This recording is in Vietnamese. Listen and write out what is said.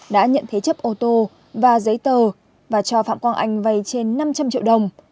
đã nhận thế chấp ô tô và giấy tờ và cho phạm quang anh vay trên năm trăm linh triệu đồng